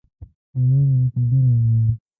هوا معتدله وه.